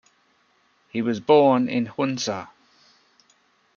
He was born in Hunza.